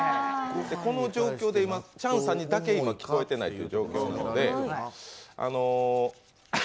この状況でチャンさんにだけ、今、聞こえてない状況ですので。